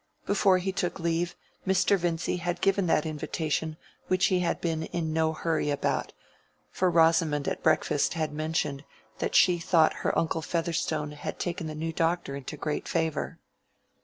Before he took leave, Mr. Vincy had given that invitation which he had been "in no hurry about," for Rosamond at breakfast had mentioned that she thought her uncle Featherstone had taken the new doctor into great favor.